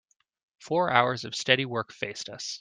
Four hours of steady work faced us.